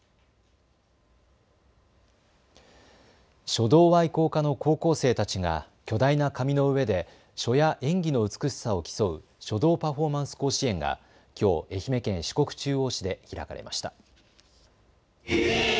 書道愛好家の高校生たちが巨大な紙の上で書や演技の美しさを競う書道パフォーマンス甲子園がきょう愛媛県四国中央市で開かれました。